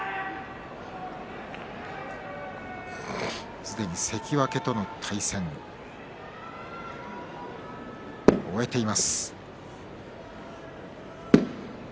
すでに関脇との対戦終えています。